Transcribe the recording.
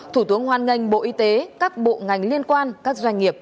thủ tướng hoan nghênh bộ y tế các bộ ngành liên quan các doanh nghiệp